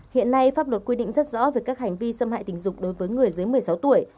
hiện nay pháp luật quy định rất rõ về các hành vi xâm hại tình dục đối với người dưới một mươi sáu tuổi